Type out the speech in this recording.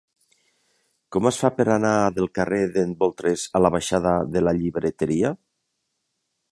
Com es fa per anar del carrer d'en Boltres a la baixada de la Llibreteria?